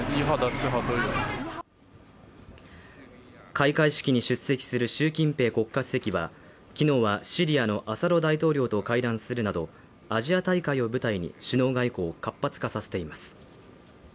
開会式に出席する習近平国家主席は昨日はシリアのアサド大統領と会談するなどアジア大会を舞台に首脳外交を活発化させています